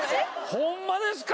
ホンマですか？